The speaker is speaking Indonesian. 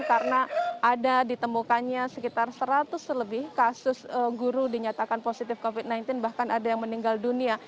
lebih kasus guru dinyatakan positif covid sembilan belas bahkan ada yang meninggal dunia